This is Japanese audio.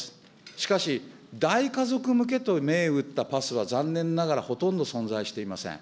しかし大家族向けと銘打ったパスは、残念ながらほとんど存在していません。